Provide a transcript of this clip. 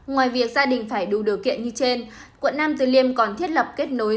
ngoài việc gia đình phải đủ điều kiện như trên quận nam từ liêm còn thiết lập kết nối